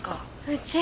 うち